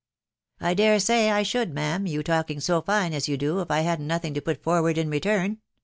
" I dare say I should, ma'am, you talking so fine as yon do, if I hadn't nothing to put forward in return.